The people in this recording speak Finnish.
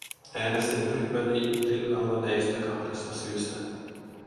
Äänestin ryhmäni rinnalla näistä kahdesta syystä.